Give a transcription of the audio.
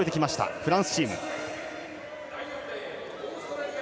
フランスチーム。